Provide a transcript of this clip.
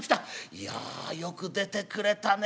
「いやよく出てくれたね。